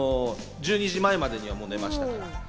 １２時前までにはもう寝ました。